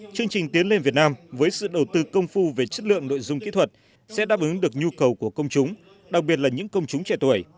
chương trình tiến lên việt nam với sự đầu tư công phu về chất lượng nội dung kỹ thuật sẽ đáp ứng được nhu cầu của công chúng đặc biệt là những công chúng trẻ tuổi